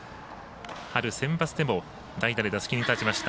春センバツでも代打で打席に立ちました。